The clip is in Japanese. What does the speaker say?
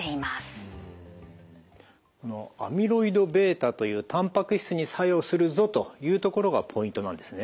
このアミロイドβというタンパク質に作用するぞというところがポイントなんですね。